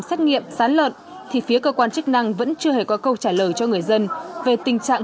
xét nghiệm sán lợn thì phía cơ quan chức năng vẫn chưa hề có câu trả lời cho người dân về tình trạng